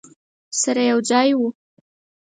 سره یو ځای وو.